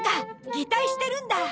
擬態してるんだ！